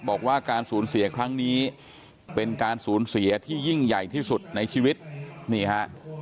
บอกว่าการสูญเสียครั้งนี้เป็นการสูญเสียที่ยิ่งใหญ่ที่สุดในชีวิตนี่ฮะ